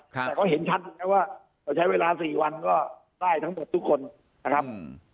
แต่เขาเห็นชัดแน่ว่าใช้เวลา๔วันก็ได้ทั้งหมดทุกคนนะครับ